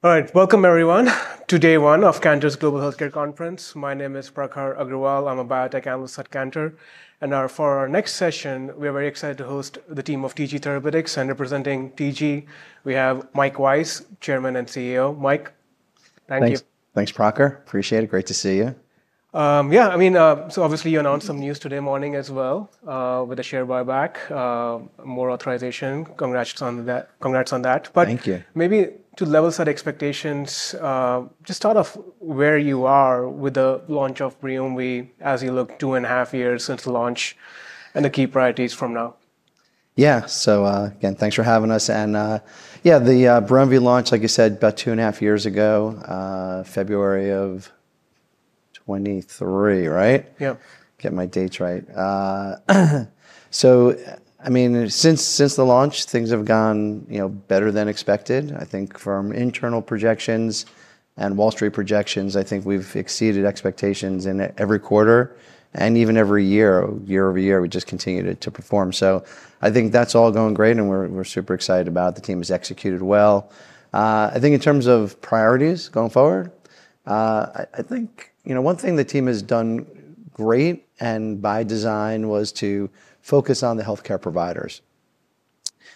All right. Welcome, everyone, to Day One of Cantor's Global Healthcare Conference. My name is Prakhar Agrawal. I'm a Biotech Analyst at Cantor. And for our next session, we are very excited to host the team of TG Therapeutics and representing TG. We have Mike Weiss, Chairman and CEO. Mike, thank you. Thanks, Prakhar. Appreciate it. Great to see you. Yeah, I mean, so obviously, you announced some news today morning as well with the share buyback, more authorization. Congrats on that. Thank you. But maybe to level set expectations, just start off where you are with the launch of BRIUMVI as you look two and a half years since the launch and the key priorities from now. Yeah, so again, thanks for having us. And yeah, the BRIUMVI launch, like you said, about two and a half years ago, February of 2023, right? Yeah. Get my dates right. So I mean, since the launch, things have gone better than expected. I think from internal projections and Wall Street projections, I think we've exceeded expectations in every quarter and even every year, year-over-year, we just continue to perform. So I think that's all going great, and we're super excited about it. The team has executed well. I think in terms of priorities going forward, I think one thing the team has done great and by design was to focus on the healthcare providers.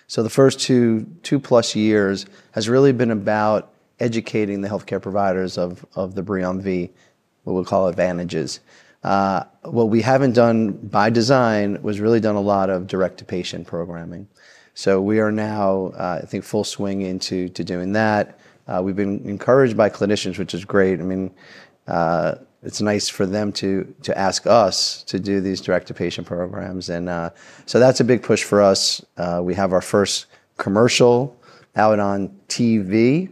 So the first two-plus years has really been about educating the healthcare providers of the BRIUMVI, what we call advantages. What we haven't done by design was really done a lot of direct-to-patient programming. So we are now, I think, full swing into doing that. We've been encouraged by clinicians, which is great. I mean, it's nice for them to ask us to do these direct-to-patient programs, and so that's a big push for us. We have our first commercial out on TV.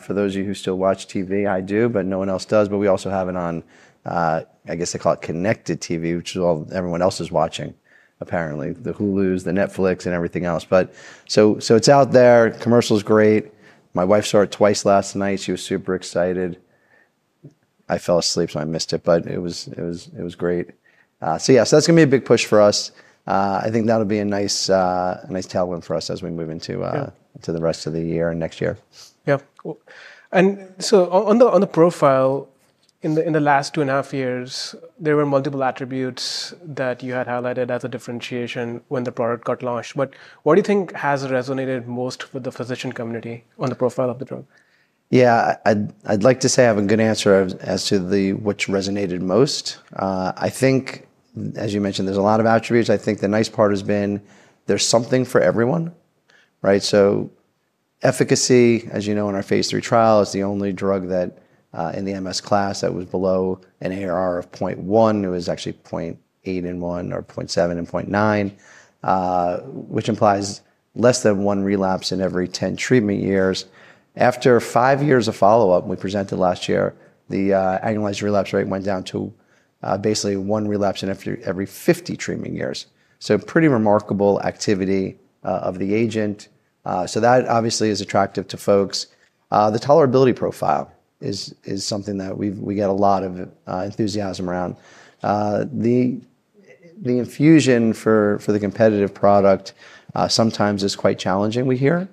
For those of you who still watch TV, I do, but no one else does, but we also have it on, I guess they call it connected TV, which is all everyone else is watching, apparently, the Hulu's, the Netflix, and everything else, but so it's out there. Commercial is great. My wife saw it twice last night. She was super excited. I fell asleep, so I missed it, but it was great, so yeah, so that's going to be a big push for us. I think that'll be a nice tailwind for us as we move into the rest of the year and next year. Yeah, and so on the profile, in the last two and a half years, there were multiple attributes that you had highlighted as a differentiation when the product got launched. But what do you think has resonated most with the physician community on the profile of the drug? Yeah, I'd like to say I have a good answer as to which resonated most. I think, as you mentioned, there's a lot of attributes. I think the nice part has been there's something for everyone, right? So efficacy, as you know, in our phase III trial, it's the only drug in the MS class that was below an ARR of 0.1. It was actually 0.81 or 0.79, which implies less than one relapse in every 10 treatment years. After five years of follow-up, we presented last year, the annualized relapse rate went down to basically one relapse in every 50 treatment years. So pretty remarkable activity of the agent. So that obviously is attractive to folks. The tolerability profile is something that we get a lot of enthusiasm around. The infusion for the competitive product sometimes is quite challenging, we hear.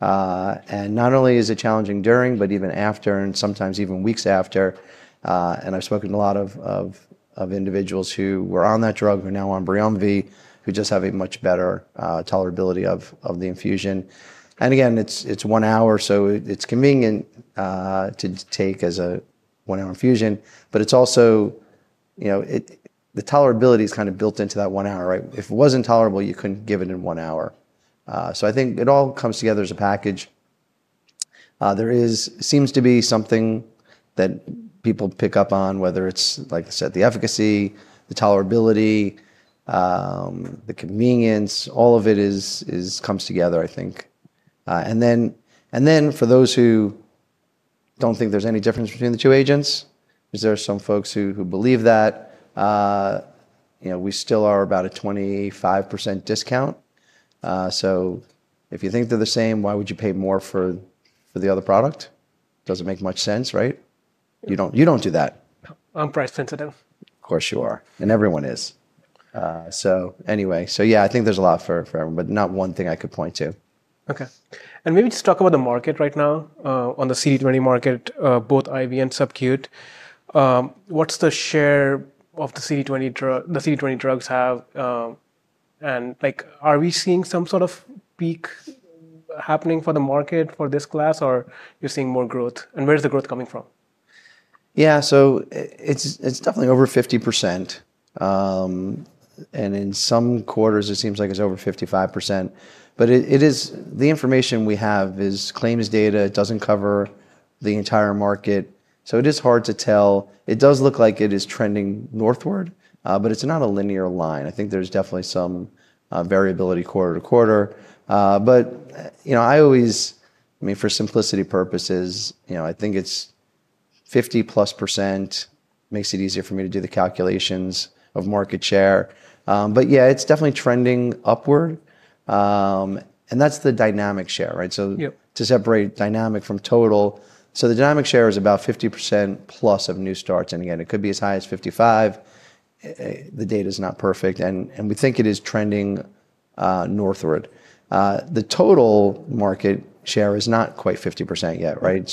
And not only is it challenging during, but even after, and sometimes even weeks after. I've spoken to a lot of individuals who were on that drug, who are now on BRIUMVI, who just have a much better tolerability of the infusion. And again, it's one hour, so it's convenient to take as a one-hour infusion. But it's also the tolerability is kind of built into that one hour, right? If it wasn't tolerable, you couldn't give it in one hour. So I think it all comes together as a package. There seems to be something that people pick up on, whether it's, like I said, the efficacy, the tolerability, the convenience. All of it comes together, I think. And then for those who don't think there's any difference between the two agents, because there are some folks who believe that, we still are about a 25% discount. So if you think they're the same, why would you pay more for the other product? Doesn't make much sense, right? You don't do that. I'm price sensitive. Of course you are, and everyone is, so anyway, so yeah, I think there's a lot for everyone, but not one thing I could point to. Okay. And maybe just talk about the market right now on the CD20 market, both IV and subcutaneous. What's the share of the CD20 drugs have? And are we seeing some sort of peak happening for the market for this class, or are you seeing more growth? And where's the growth coming from? Yeah, so it's definitely over 50%. And in some quarters, it seems like it's over 55%. But the information we have is claims data. It doesn't cover the entire market. So it is hard to tell. It does look like it is trending northward, but it's not a linear line. I think there's definitely some variability quarter to quarter. But I always, I mean, for simplicity purposes, I think it's 50+ makes it easier for me to do the calculations of market share. But yeah, it's definitely trending upward. And that's the dynamic share, right? So to separate dynamic from total. So the dynamic share is about 50%+ of new starts. And again, it could be as high as 55%. The data is not perfect. And we think it is trending northward. The total market share is not quite 50% yet, right?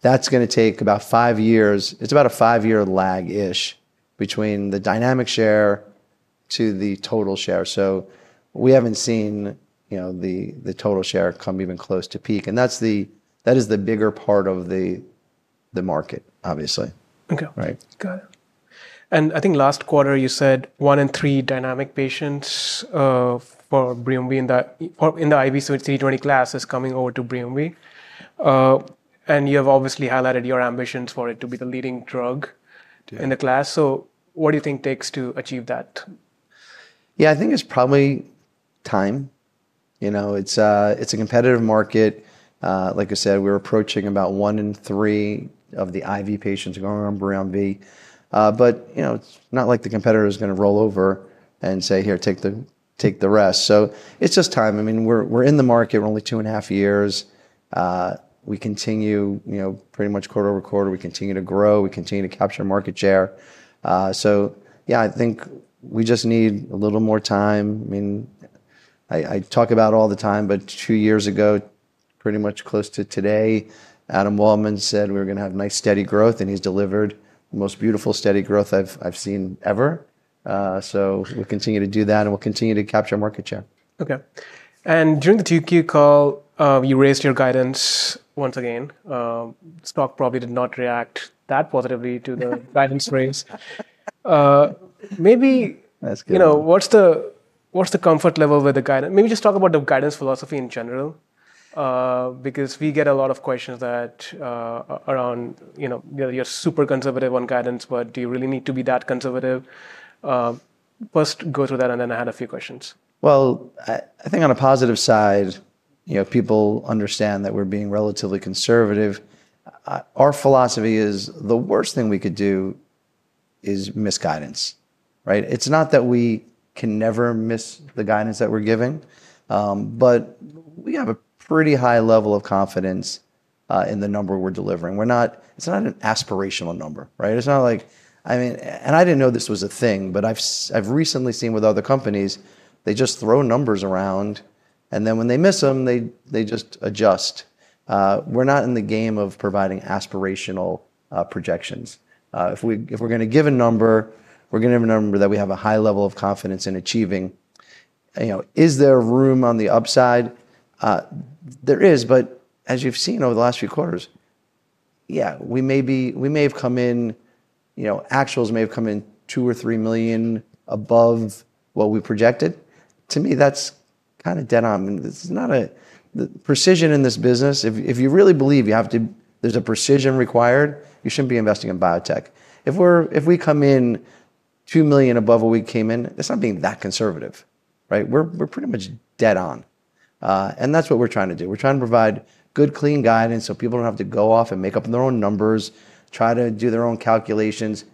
That's going to take about five years. It's about a five-year lag-ish between the dynamic share to the total share. We haven't seen the total share come even close to peak. That is the bigger part of the market, obviously. Okay. Got it. And I think last quarter, you said one in three dynamic patients for BRIUMVI in the IV CD20 class is coming over to BRIUMVI. And you have obviously highlighted your ambitions for it to be the leading drug in the class. So what do you think takes to achieve that? Yeah, I think it's probably time. It's a competitive market. Like I said, we're approaching about one in three of the IV patients going on BRIUMVI. But it's not like the competitor is going to roll over and say, "Here, take the rest." So it's just time. I mean, we're in the market for only two and a half years. We continue pretty much quarter over quarter. We continue to grow. We continue to capture market share. So yeah, I think we just need a little more time. I mean, I talk about it all the time, but two years ago, pretty much close to today, Adam Waldman said we were going to have nice steady growth, and he's delivered the most beautiful steady growth I've seen ever. So we'll continue to do that, and we'll continue to capture market share. Okay. During the Q2 call, you raised your guidance once again. Stock probably did not react that positively to the guidance raise. Maybe what's the comfort level with the guidance? Maybe just talk about the guidance philosophy in general, because we get a lot of questions around you're super conservative on guidance, but do you really need to be that conservative? First, go through that, and then I had a few questions. I think on a positive side, people understand that we're being relatively conservative. Our philosophy is the worst thing we could do is miss guidance, right? It's not that we can never miss the guidance that we're giving, but we have a pretty high level of confidence in the number we're delivering. It's not an aspirational number, right? It's not like, I mean, and I didn't know this was a thing, but I've recently seen with other companies, they just throw numbers around, and then when they miss them, they just adjust. We're not in the game of providing aspirational projections. If we're going to give a number, we're going to give a number that we have a high level of confidence in achieving. Is there room on the upside? There is, but as you've seen over the last few quarters, yeah, we may have come in. Actuals may have come in $2 million-$3 million above what we projected. To me, that's kind of dead on. The precision in this business, if you really believe there's a precision required, you shouldn't be investing in biotech. If we come in $2 million above what we came in, that's not being that conservative, right? We're pretty much dead on, and that's what we're trying to do. We're trying to provide good, clean guidance so people don't have to go off and make up their own numbers, try to do their own calculations.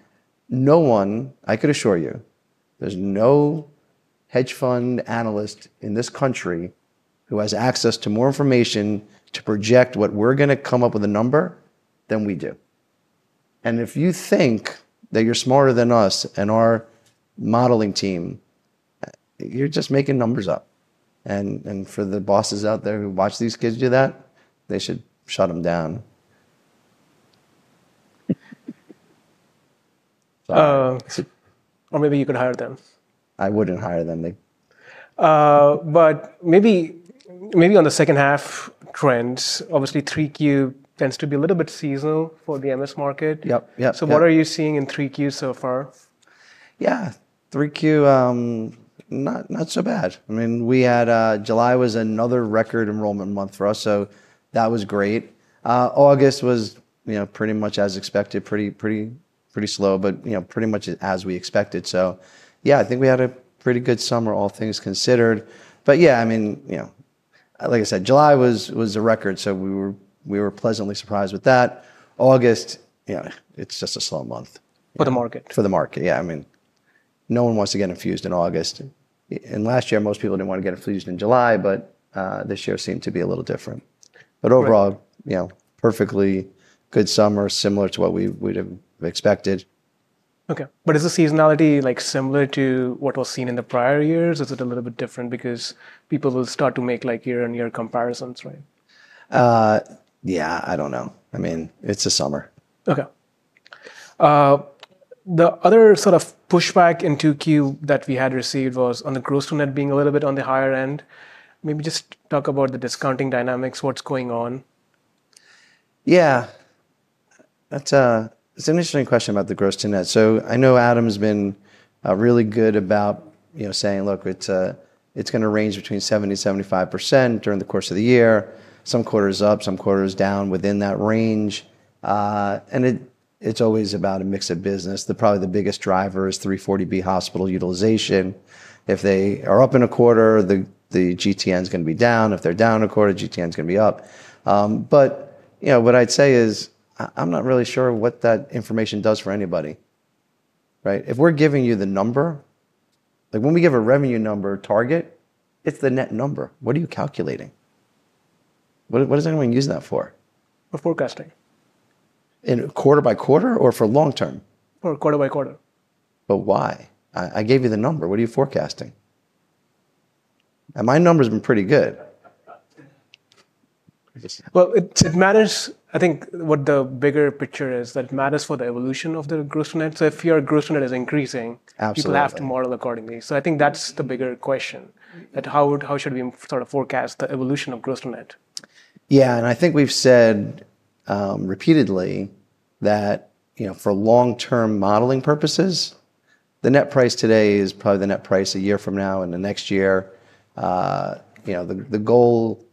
No one, I could assure you, there's no hedge fund analyst in this country who has access to more information to project what we're going to come up with a number than we do. If you think that you're smarter than us and our modeling team, you're just making numbers up. For the bosses out there who watch these kids do that, they should shut them down. Or maybe you can hire them. I wouldn't hire them. But maybe on the second-half trends, obviously, 3Q tends to be a little bit seasonal for the MS market. Yep, yep. So what are you seeing in 3Q so far? Yeah, 3Q, not so bad. I mean, July was another record enrollment month for us, so that was great. August was pretty much as expected, pretty slow, but pretty much as we expected. So yeah, I think we had a pretty good summer, all things considered. But yeah, I mean, like I said, July was a record, so we were pleasantly surprised with that. August, it's just a slow month. For the market. For the market, yeah. I mean, no one wants to get infused in August. And last year, most people didn't want to get infused in July, but this year seemed to be a little different. But overall, perfectly good summer, similar to what we would have expected. Okay, but is the seasonality similar to what was seen in the prior years? Is it a little bit different because people will start to make year-on-year comparisons, right? Yeah, I don't know. I mean, it's a summer. Okay. The other sort of pushback in 2Q that we had received was on the gross to net being a little bit on the higher end. Maybe just talk about the discounting dynamics, what's going on? Yeah. That's an interesting question about the gross-to-net. So I know Adam's been really good about saying, "Look, it's going to range between 70% and 75% during the course of the year. Some quarters up, some quarters down within that range." And it's always about a mix of business. Probably the biggest driver is 340B hospital utilization. If they are up in a quarter, the GTN is going to be down. If they're down in a quarter, GTN is going to be up. But what I'd say is I'm not really sure what that information does for anybody, right? If we're giving you the number, when we give a revenue number target, it's the net number. What are you calculating? What is anyone using that for? For forecasting. In quarter-by quarter or for long term? For quarter-by-quarter. But why? I gave you the number. What are you forecasting? And my number has been pretty good. It matters, I think, what the bigger picture is, that it matters for the evolution of the gross-to-net. So if your gross-to-net is increasing, people have to model accordingly. So I think that's the bigger question, that how should we sort of forecast the evolution of gross-to-net? Yeah, and I think we've said repeatedly that for long-term modeling purposes, the net price today is probably the net price a year from now and the next year. The goal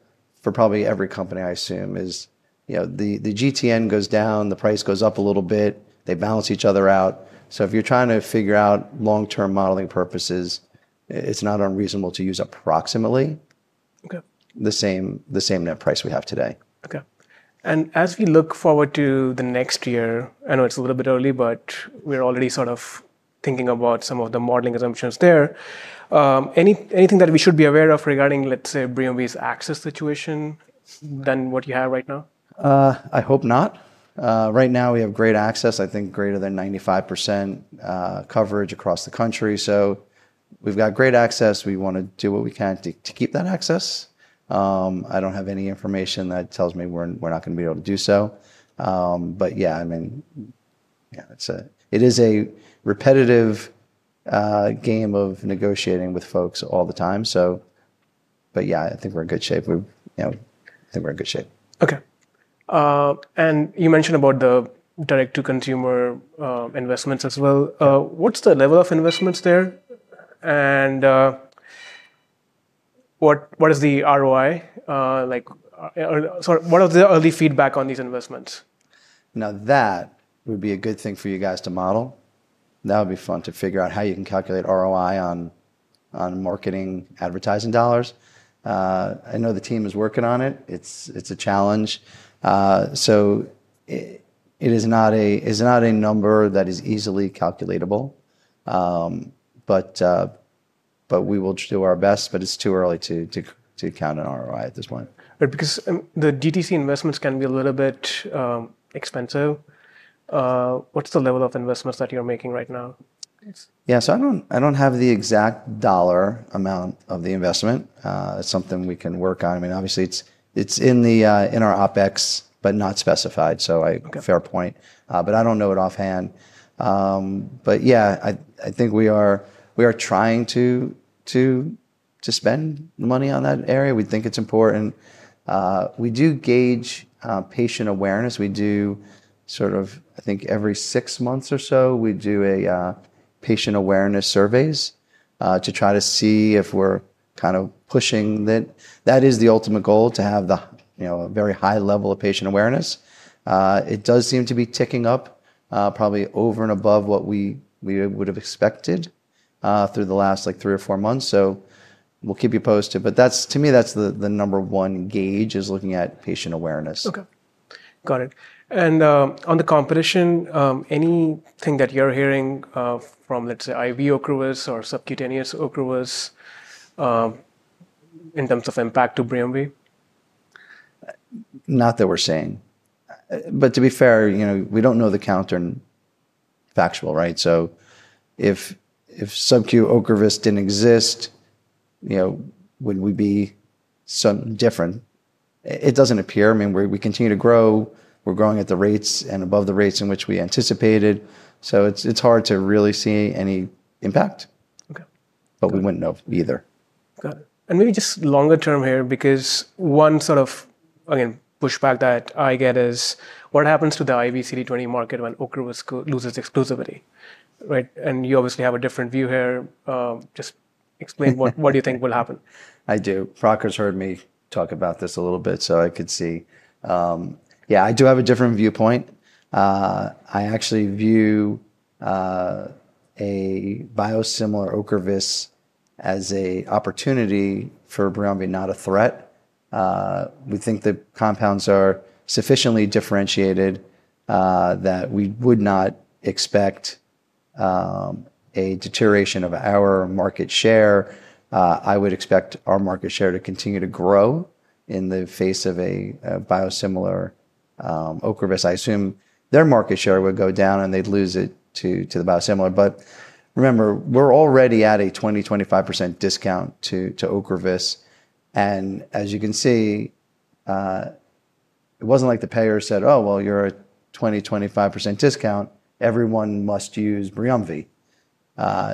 for probably every company, I assume, is the GTN goes down, the price goes up a little bit, they balance each other out. So if you're trying to figure out long-term modeling purposes, it's not unreasonable to use approximately the same net price we have today. Okay. And as we look forward to the next year, I know it's a little bit early, but we're already sort of thinking about some of the modeling assumptions there. Anything that we should be aware of regarding, let's say, BRIUMVI's access situation than what you have right now? I hope not. Right now, we have great access, I think greater than 95% coverage across the country. So we've got great access. We want to do what we can to keep that access. I don't have any information that tells me we're not going to be able to do so. But yeah, I mean, it is a repetitive game of negotiating with folks all the time. But yeah, I think we're in good shape. I think we're in good shape. Okay. And you mentioned about the direct-to-consumer investments as well. What's the level of investments there? And what is the ROI? What is the early feedback on these investments? Now, that would be a good thing for you guys to model. That would be fun to figure out how you can calculate ROI on marketing advertising dollars. I know the team is working on it. It's a challenge. So it is not a number that is easily calculatable, but we will do our best, but it's too early to count on ROI at this point. Because the DTC investments can be a little bit expensive. What's the level of investments that you're making right now? Yeah, so I don't have the exact dollar amount of the investment. It's something we can work on. I mean, obviously, it's in our OPEX, but not specified. So fair point. But I don't know it offhand. But yeah, I think we are trying to spend money on that area. We think it's important. We do gauge patient awareness. We do sort of, I think, every six months or so, we do patient awareness surveys to try to see if we're kind of pushing that. That is the ultimate goal, to have a very high level of patient awareness. It does seem to be ticking up probably over and above what we would have expected through the last three or four months. So we'll keep you posted. But to me, that's the number one gauge, is looking at patient awareness. Okay. Got it and on the competition, anything that you're hearing from, let's say, IV Ocrevus or subcutaneous Ocrevus in terms of impact to BRIUMVI? Not that we're seeing. But to be fair, we don't know the counterfactual, right? So if subcutaneous Ocrevus didn't exist, would we be something different? It doesn't appear. I mean, we continue to grow. We're growing at the rates and above the rates in which we anticipated. So it's hard to really see any impact. But we wouldn't know either. Got it. And maybe just longer term here, because one sort of, again, pushback that I get is what happens to the IV CD20 market when Ocrevus loses exclusivity, right? And you obviously have a different view here. Just explain what do you think will happen? I do. Prakhar's heard me talk about this a little bit, so I could see. Yeah, I do have a different viewpoint. I actually view a biosimilar Ocrevus as an opportunity for BRIUMVI, not a threat. We think the compounds are sufficiently differentiated that we would not expect a deterioration of our market share. I would expect our market share to continue to grow in the face of a biosimilar Ocrevus. I assume their market share would go down and they'd lose it to the biosimilar. But remember, we're already at a 20%-25% discount to Ocrevus. And as you can see, it wasn't like the payer said, "Oh, well, you're at 20%-25% discount. Everyone must use BRIUMVI."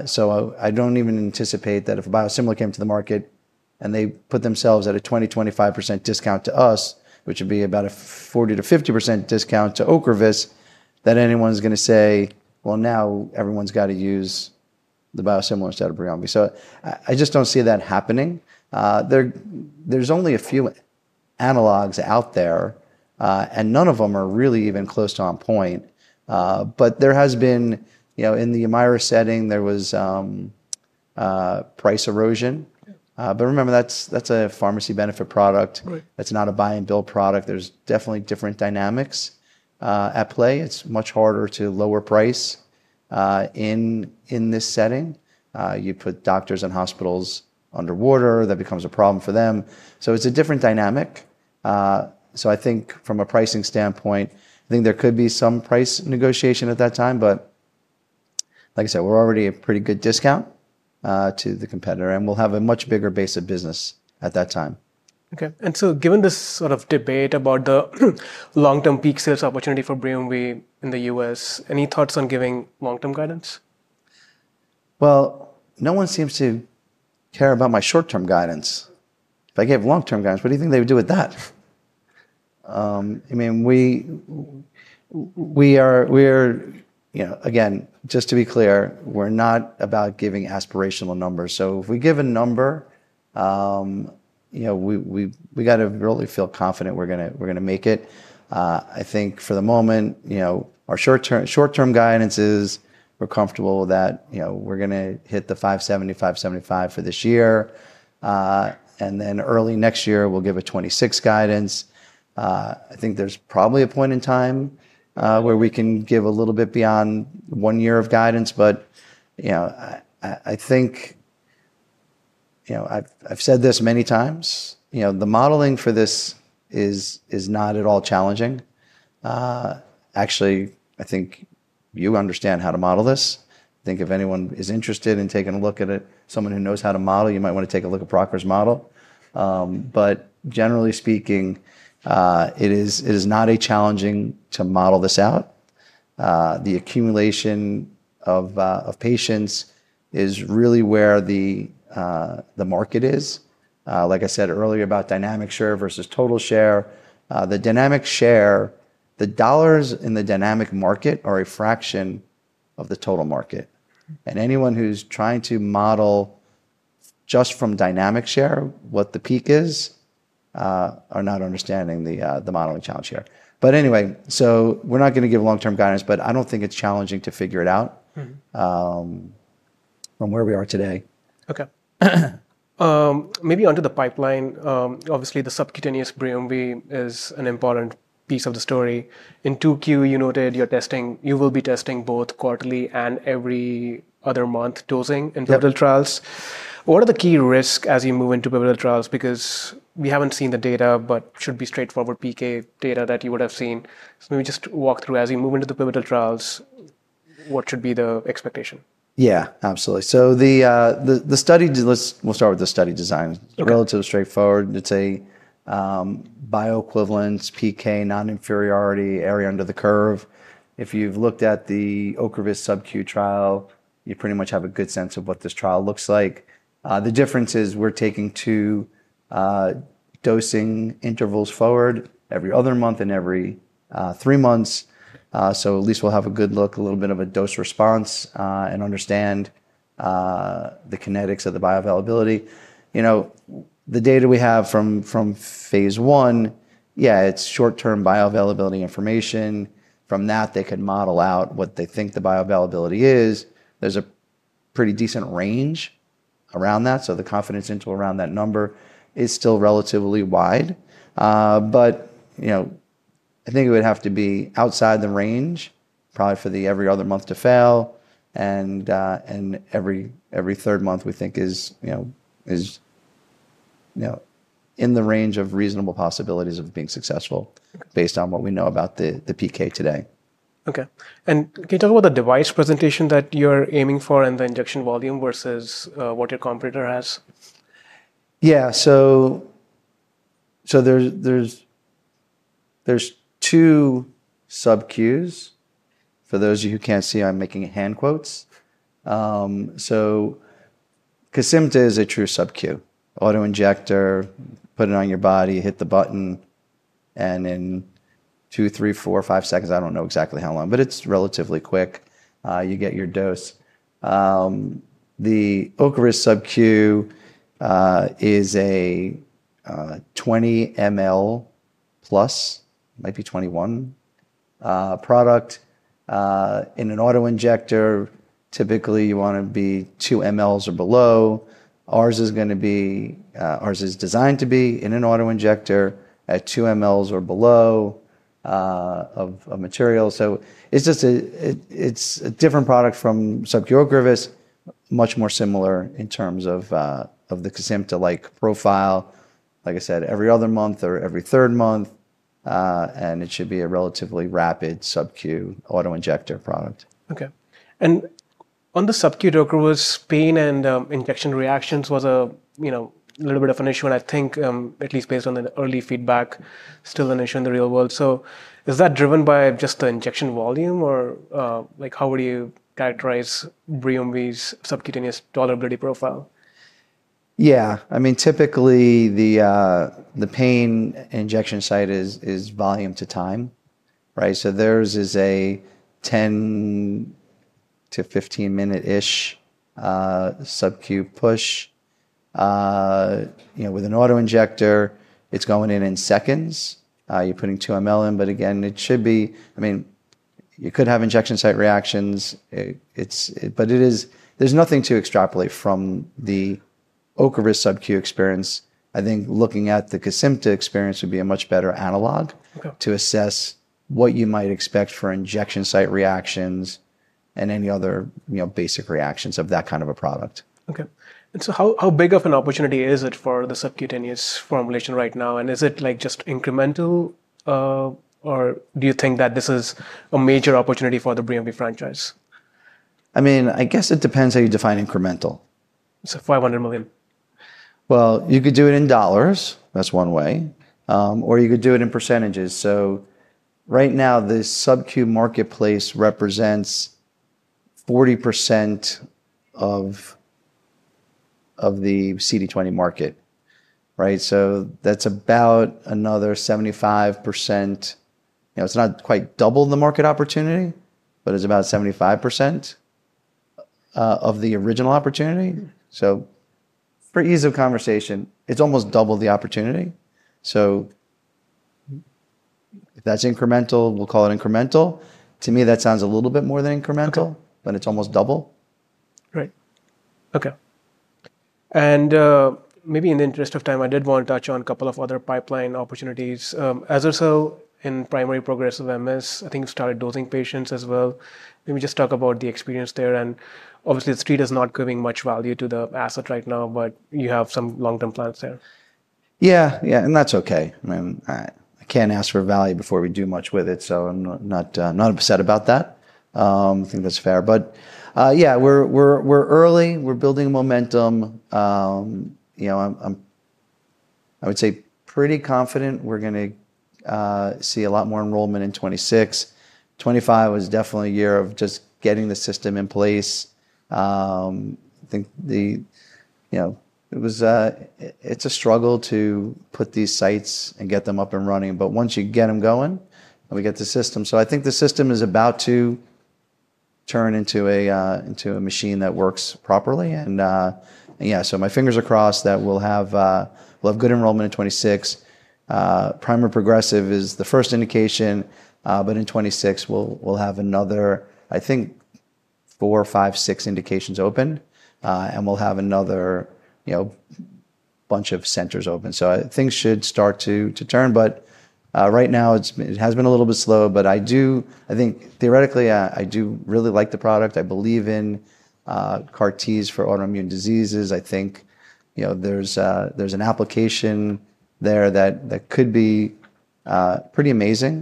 So I don't even anticipate that if a biosimilar came to the market and they put themselves at a 20%-25% discount to us, which would be about a 40%-50% discount to Ocrevus, that anyone's going to say, "Well, now everyone's got to use the biosimilars instead of BRIUMVI." So I just don't see that happening. There's only a few analogs out there, and none of them are really even close to on point. But there has been, in the MS setting, there was price erosion. But remember, that's a pharmacy benefit product. That's not a buy-and-bill product. There's definitely different dynamics at play. It's much harder to lower price in this setting. You put doctors and hospitals underwater. That becomes a problem for them. So it's a different dynamic. So I think from a pricing standpoint, I think there could be some price negotiation at that time. But like I said, we're already at a pretty good discount to the competitor, and we'll have a much bigger base of business at that time. Okay. And so given this sort of debate about the long-term peak sales opportunity for BRIUMVI in the U.S., any thoughts on giving long-term guidance? No one seems to care about my short-term guidance. If I gave long-term guidance, what do you think they would do with that? I mean, we are, again, just to be clear, we're not about giving aspirational numbers. So if we give a number, we got to really feel confident we're going to make it. I think for the moment, our short-term guidance is we're comfortable that we're going to hit the $570 million-$575 million for this year. And then early next year, we'll give a 2026 guidance. I think there's probably a point in time where we can give a little bit beyond one year of guidance. But I think I've said this many times. The modeling for this is not at all challenging. Actually, I think you understand how to model this. I think if anyone is interested in taking a look at it, someone who knows how to model, you might want to take a look at Proctor's model. But generally speaking, it is not challenging to model this out. The accumulation of patients is really where the market is. Like I said earlier about dynamic share versus total share, the dynamic share, the dollars in the dynamic market are a fraction of the total market. And anyone who's trying to model just from dynamic share what the peak is are not understanding the modeling challenge here. But anyway, so we're not going to give long-term guidance, but I don't think it's challenging to figure it out from where we are today. Okay. Maybe onto the pipeline. Obviously, the subcutaneous BRIUMVI is an important piece of the story. In 2Q, you noted you will be testing both quarterly and every other month dosing in pivotal trials. What are the key risks as you move into pivotal trials? Because we haven't seen the data, but it should be straightforward PK data that you would have seen. So maybe just walk through as you move into the pivotal trials, what should be the expectation? Yeah, absolutely. So we'll start with the study design. It's relatively straightforward. It's a bioequivalence PK non-inferiority area under the curve. If you've looked at the Ocrevus subQ trial, you pretty much have a good sense of what this trial looks like. The difference is we're taking two dosing intervals forward every other month and every three months. So at least we'll have a good look, a little bit of a dose response, and understand the kinetics of the bioavailability. The data we have from phase I, yeah, it's short-term bioavailability information. From that, they can model out what they think the bioavailability is. There's a pretty decent range around that. So the confidence interval around that number is still relatively wide. But I think it would have to be outside the range probably for the every other month to fail. Every third month, we think, is in the range of reasonable possibilities of being successful based on what we know about the PK today. Okay. And can you talk about the device presentation that you're aiming for and the injection volume versus what your competitor has? Yeah. So there's two subQs. For those of you who can't see, I'm making hand quotes. So Kesimpta is a true subQ. Autoinjector, put it on your body, hit the button, and in two, three, four, five seconds, I don't know exactly how long, but it's relatively quick. You get your dose. The Ocrevus subQ is a 20 mL plus, might be 21 product. In an autoinjector, typically you want to be 2 mL or below. Ours is going to be designed to be in an autoinjector at 2 mL or below of material. So it's a different product from subQ Ocrevus, much more similar in terms of the Kesimpta-like profile. Like I said, every other month or every third month, and it should be a relatively rapid subQ autoinjector product. Okay. And on the subQ Ocrevus, pain and injection reactions was a little bit of an issue, and I think, at least based on the early feedback, still an issue in the real world. So is that driven by just the injection volume, or how would you characterize BRIUMVI's subcutaneous tolerability profile? Yeah. I mean, typically, the pain injection site is volume to time, right? So theirs is a 10-15 minute-ish subQ push. With an autoinjector, it's going in in seconds. You're putting 2 mL in, but again, it should be I mean, you could have injection site reactions, but there's nothing to extrapolate from the Ocrevus subQ experience. I think looking at the Kesimpta experience would be a much better analog to assess what you might expect for injection site reactions and any other basic reactions of that kind of a product. Okay. And so how big of an opportunity is it for the subcutaneous formulation right now? And is it just incremental, or do you think that this is a major opportunity for the BRIUMVI franchise? I mean, I guess it depends how you define incremental. $500 million. You could do it in dollars. That's one way. Or you could do it in percentages. Right now, the subQ marketplace represents 40% of the CD20 market, right? That's about another 75%. It's not quite double the market opportunity, but it's about 75% of the original opportunity. For ease of conversation, it's almost double the opportunity. If that's incremental, we'll call it incremental. To me, that sounds a little bit more than incremental, but it's almost double. Right. Okay. And maybe in the interest of time, I did want to touch on a couple of other pipeline opportunities. Azer-cel, in primary progressive MS, I think you started dosing patients as well. Maybe just talk about the experience there. And obviously, the street is not giving much value to the asset right now, but you have some long-term plans there. Yeah, yeah. And that's okay. I mean, I can't ask for value before we do much with it, so I'm not upset about that. I think that's fair. But yeah, we're early. We're building momentum. I would say pretty confident we're going to see a lot more enrollment in 2026. 2025 was definitely a year of just getting the system in place. I think it's a struggle to put these sites and get them up and running, but once you get them going, we get the system. So I think the system is about to turn into a machine that works properly. And yeah, so my fingers are crossed that we'll have good enrollment in 2026. Primary progressive is the first indication, but in 2026, we'll have another, I think, four, five, six indications open, and we'll have another bunch of centers open. So things should start to turn. But right now, it has been a little bit slow, but I think theoretically, I do really like the product. I believe in CAR Ts for autoimmune diseases. I think there's an application there that could be pretty amazing,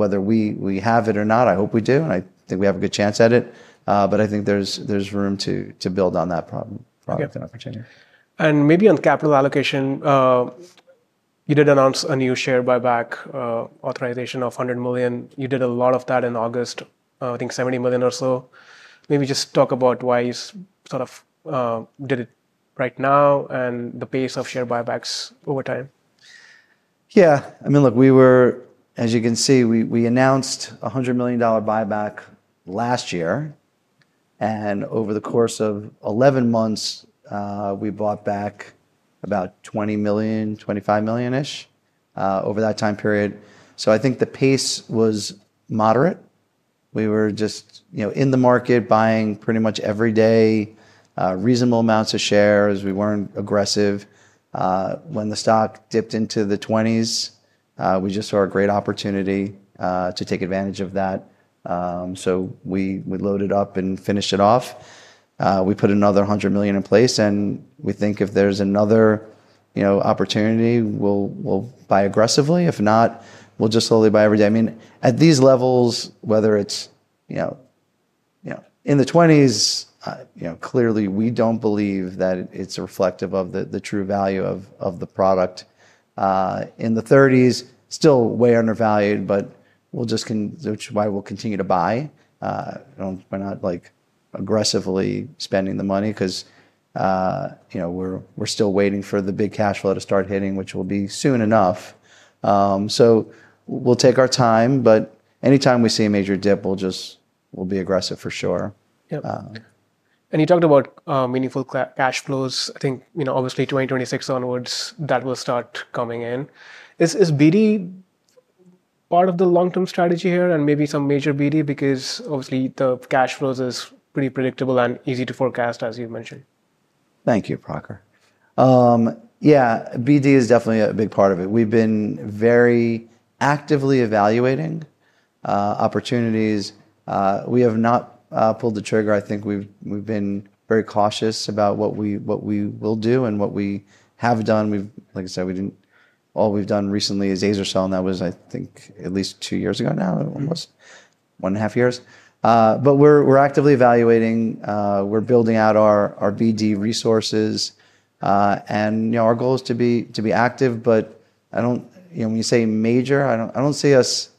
whether we have it or not. I hope we do, and I think we have a good chance at it. But I think there's room to build on that problem. You have the opportunity. And maybe on capital allocation, you did announce a new share buyback authorization of $100 million. You did a lot of that in August, I think $70 million or so. Maybe just talk about why you sort of did it right now and the pace of share buybacks over time. Yeah. I mean, look, we were, as you can see, we announced a $100 million buyback last year. And over the course of 11 months, we bought back about $20 million-$25 million-ish over that time period. So I think the pace was moderate. We were just in the market buying pretty much every day, reasonable amounts of shares. We weren't aggressive. When the stock dipped into the 20s, we just saw a great opportunity to take advantage of that. So we loaded up and finished it off. We put another $100 million in place. And we think if there's another opportunity, we'll buy aggressively. If not, we'll just slowly buy every day. I mean, at these levels, whether it's in the 20s, clearly, we don't believe that it's reflective of the true value of the product. In the 30s, still way undervalued, but which is why we'll continue to buy. We're not aggressively spending the money because we're still waiting for the big cash flow to start hitting, which will be soon enough. So we'll take our time, but anytime we see a major dip, we'll be aggressive for sure. You talked about meaningful cash flows. I think, obviously, 2026 onwards, that will start coming in. Is BD part of the long-term strategy here and maybe some major BD because, obviously, the cash flows are pretty predictable and easy to forecast, as you've mentioned? Thank you, Prakhar. Yeah, BD is definitely a big part of it. We've been very actively evaluating opportunities. We have not pulled the trigger. I think we've been very cautious about what we will do and what we have done. Like I said, all we've done recently is Azer-cel and that was, I think, at least two years ago now, almost one and a half years. But we're actively evaluating. We're building out our BD resources. And our goal is to be active, but when you say major, I don't see us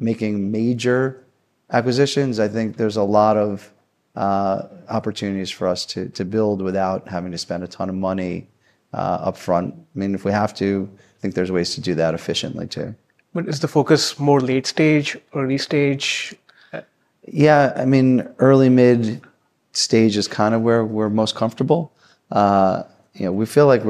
making major acquisitions. I think there's a lot of opportunities for us to build without having to spend a ton of money upfront. I mean, if we have to, I think there's ways to do that efficiently too. Is the focus more late stage or early stage? Yeah. I mean, early mid stage is kind of where we're most comfortable. We feel like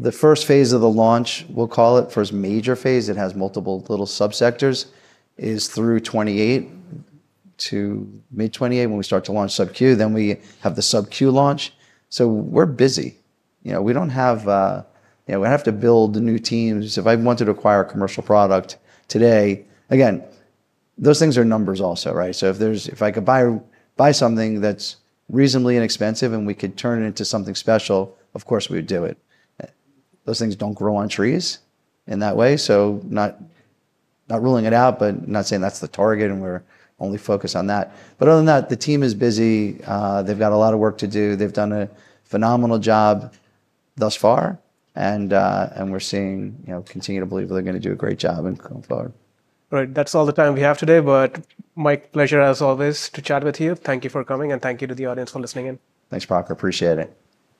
the first phase of the launch, we'll call it, first major phase, it has multiple little subsectors, is through 2028 to mid-2028 when we start to launch subQ. Then we have the subQ launch. So we're busy. We don't have to build new teams. If I wanted to acquire a commercial product today, again, those things are numbers also, right? So if I could buy something that's reasonably inexpensive and we could turn it into something special, of course we would do it. Those things don't grow on trees in that way. So not ruling it out, but not saying that's the target and we're only focused on that. But other than that, the team is busy. They've got a lot of work to do. They've done a phenomenal job thus far. We continue to believe they're going to do a great job going forward. Right. That's all the time we have today, but my pleasure, as always, to chat with you. Thank you for coming and thank you to the audience for listening in. Thanks, Prakhar. Appreciate it.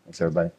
Thanks, everybody.